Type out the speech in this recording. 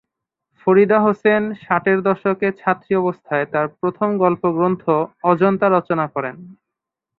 ফরিদা হোসেন ষাটের দশকে ছাত্রী অবস্থায় তার প্রথম গল্পগ্রন্থ "অজন্তা" রচনা করেন।